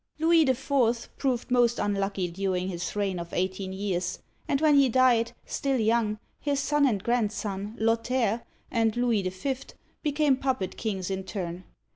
Louis IV. proved most unlucky during his reign of eighteen years, and when he died, still young, his son and grandson, Lothair and Louis V., became puppet kings in turn.